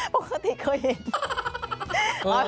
ปกติเคยเห็น